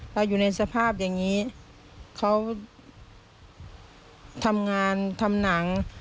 เราอยู่ในสภาพอย่างนี้เขาทำงานทำหนัง